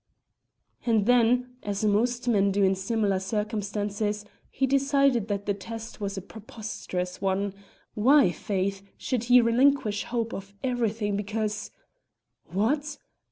And then, as most men do in similar circumstances, he decided that the test was a preposterous one. Why, faith! should he relinquish hope of everything because What!